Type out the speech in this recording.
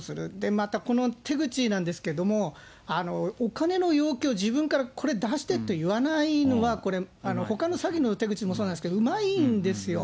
またこの手口なんですけども、お金の要求を、自分から、これ出してと言わないのが、これ、ほかの詐欺の手口もそうなんですけど、うまいんですよ。